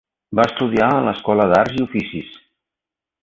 Va estudiar a l'Escola d'Arts i Oficis.